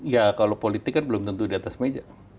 ya kalau politik kan belum tentu di atas meja